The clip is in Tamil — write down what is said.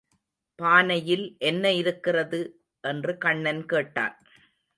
பானையில் என்ன இருக்கிறது? என்று கண்ணன் கேட்டான்.